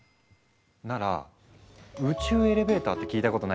なら宇宙エレベーターって聞いたことないですか？